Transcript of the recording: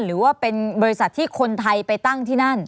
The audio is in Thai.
หรือว่าเป็นบริษัทที่คนไทยไปตั้งที่นั่น